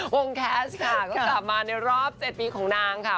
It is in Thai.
แคสค่ะก็กลับมาในรอบ๗ปีของนางค่ะ